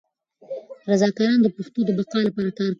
رضاکاران د پښتو د بقا لپاره کار کوي.